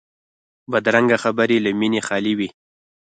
بدرنګه خبرې له مینې خالي وي